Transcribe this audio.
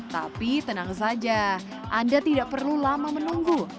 tapi tenang saja anda tidak perlu lama menunggu